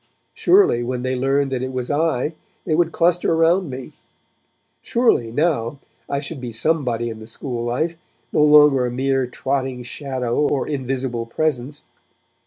Surely, when they learned that it was I, they would cluster round me; surely, now, I should be somebody in the school life, no longer a mere trotting shadow or invisible presence.